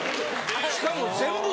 しかも。